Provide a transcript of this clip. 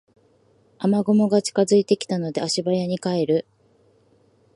雨雲が近づいてきたので足早に帰る